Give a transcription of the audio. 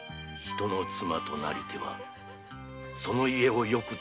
「人の妻となりてはその家をよく保つべし」。